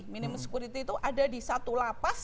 minimum security itu ada di satu lapas